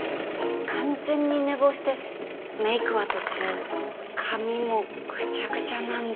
完全に寝坊してメークは途中髪もグチャグチャなんで。